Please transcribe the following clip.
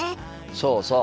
そうそう。